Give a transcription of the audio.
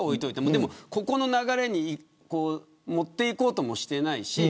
でも、ここの流れに持っていこうともしていないし。